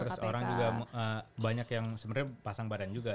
terus orang juga banyak yang sebenarnya pasang badan juga